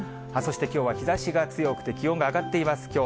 そして、きょうは日ざしが強くて気温が上がっています。